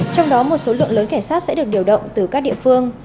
trong đó một số lượng lớn cảnh sát sẽ được điều động từ các địa phương